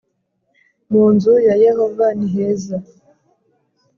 mu nzu ya Yehova niheza